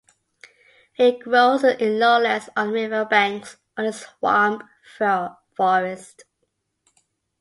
It grows in lowlands on river banks or in swamp forests.